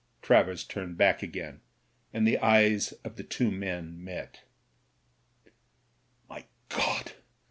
Travers turned back again, and the eyes of the two men met. "My God